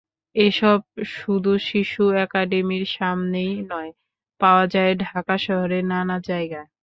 এসব শুধু শিশু একাডেমীর সামনেই নয়, পাওয়া যায় ঢাকা শহরের নানা জায়গায়।